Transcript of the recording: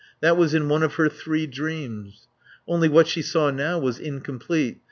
That was in one of her three dreams. Only what she saw now was incomplete.